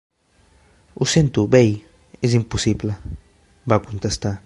"Ho sento, vell, és impossible", va contestar.